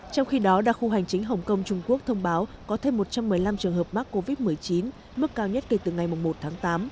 trong khi đó đặc khu hành chính hồng kông trung quốc thông báo có thêm một trăm một mươi năm trường hợp mắc covid một mươi chín mức cao nhất kể từ ngày một tháng tám